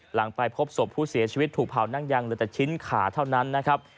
หลังไปพบศพผู้เสียชีวิตถูกเผานั่งยังเหลือแต่ชิ้นขาเท่านั้นนะครับ